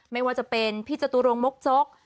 ไม่ว่าจะเป็นพี่จตุรงมกจก